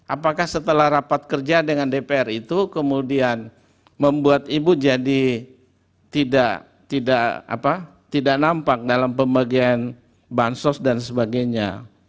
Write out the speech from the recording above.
apakah setelah rapat kerja dengan dpr itu kemudian membuat ibu jadi tidak nampak dalam pembagian bansos dan sebagainya